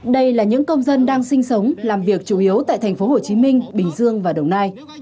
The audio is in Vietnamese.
đây là những công dân đang sinh sống làm việc chủ yếu tại thành phố hồ chí minh bình dương và đồng nai